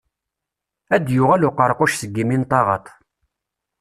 Ad d-yuɣal uqeṛquc seg imi n taɣaṭ.